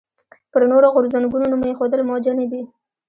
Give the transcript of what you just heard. پر نورو غورځنګونو نوم ایښودل موجه نه دي.